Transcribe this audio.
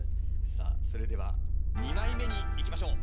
さあそれでは２枚目にいきましょう！